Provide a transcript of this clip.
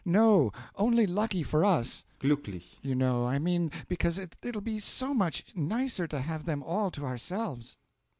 no only lucky for us glucklich, you know I mean because it'll be so much nicer to have them all to ourselves.